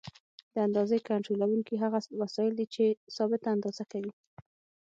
د اندازې کنټرولونکي هغه وسایل دي چې ثابته اندازه کوي.